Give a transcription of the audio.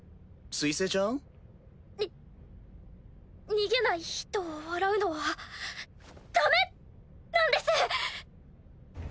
水星ちゃん？に逃げない人を笑うのはダメなんです！